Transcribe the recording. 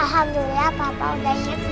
alhamdulillah papa udah senang lagi